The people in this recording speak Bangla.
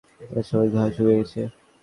তোর সব ঘা শুকিয়ে গেছে?